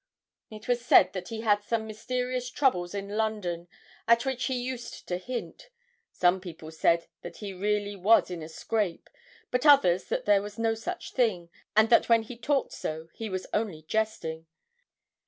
'It was said that he had some mysterious troubles in London, at which he used to hint. Some people said that he really was in a scrape, but others that there was no such thing, and that when he talked so he was only jesting.